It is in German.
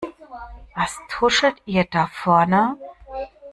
Was tuschelt ihr da vorne?